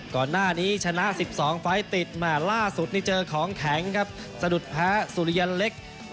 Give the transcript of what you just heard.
ก่อนหน้านี้ชนะ๑๒ไฟล์ติดแหม่ล่าสุดนี่เจอของแข็งครับสะดุดแพ้สุริยันเล็ก